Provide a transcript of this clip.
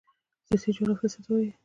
سیاسي جغرافیه څه ته وایي؟